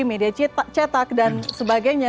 media cetak dan sebagainya